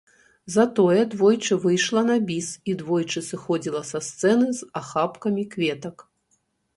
Затое двойчы выйшла на біс і двойчы сыходзіла са сцэны з ахапкамі кветак.